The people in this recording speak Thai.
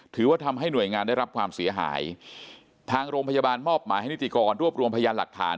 ถือว่าทำให้หน่วยงานได้รับความเสียหายทางโรงพยาบาลมอบหมายให้นิติกรรวบรวมพยานหลักฐาน